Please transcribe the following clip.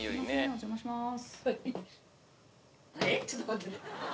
お邪魔します。